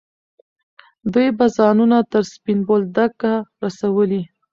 دوی به ځانونه تر سپین بولدکه رسولي.